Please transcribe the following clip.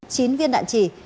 chín viên đạn trì